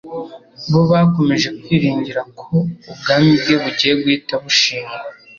bo bakomeje kwiringira ko ubwami bwe bugiye guhita bushingwa.